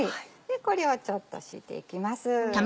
これをちょっと引いていきます。